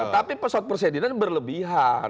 tapi pesawat kepesidenan berlebihan